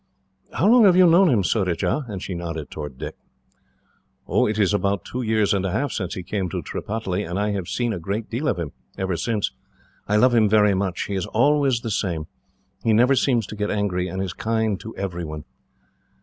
"How long have you known him, Surajah?" and she nodded towards Dick. "It is about two years and a half since he came to Tripataly, and I have seen a great deal of him, ever since. I love him very much. He is always the same. He never seems to get angry, and is kind to everyone."